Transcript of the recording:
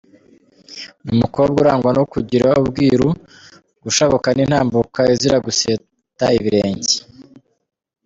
Ni umukobwa urangwa no kugira ubwira, gushabuka n’intambuko izira guseta ibirenge.